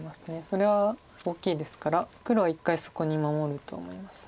それは大きいですから黒は一回そこに守ると思います。